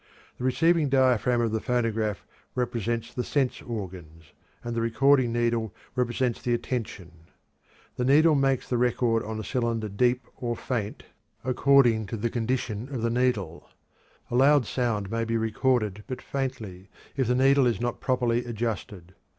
The receiving diaphragm of the phonograph represents the sense organs, and the recording needle represents the attention. The needle makes the record on the cylinder deep or faint according to the condition of the needle. A loud sound may be recorded but faintly, if the needle is not properly adjusted.